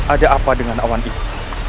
ada apa dengan awan ini